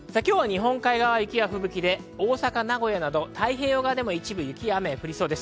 今日は日本海側、雪や吹雪で大阪、名古屋など、太平洋側でも一部、雪や雨が降りそうです。